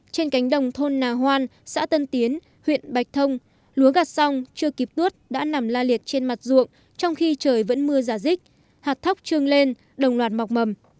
trên cánh đồng thôn nà hoan xã tân tiến huyện bạch thông lúa gặt xong chưa kịp tuốt đã nằm la liệt trên mặt ruộng trong khi trời vẫn mưa giả dích hạt thóc trương lên đồng loạt mọc mầm